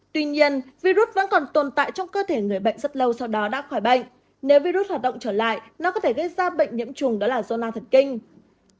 tuy nhiên virus vẫn còn tồn tại trong cơ thể người bệnh rất lâu sau đó đã khỏi bệnh nếu virus hoạt động trở lại nó có thể gây ra bệnh nhiễm trùng đó là do na thần kinh